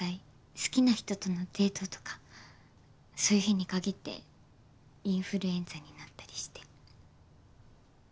好きな人とのデートとかそういう日に限ってインフルエンザになったりして。